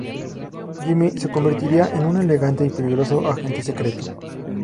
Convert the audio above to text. Jimmy se convertirá en un elegante y peligroso agente secreto.